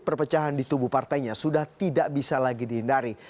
perpecahan di tubuh partainya sudah tidak bisa lagi dihindari